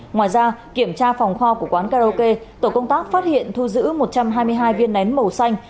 ngoài ra kiểm tra phòng kho của quán karaoke tổ công tác phát hiện thu giữ một trăm hai mươi hai viên nén màu xanh